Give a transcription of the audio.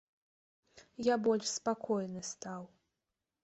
Я больш спакойны стаў.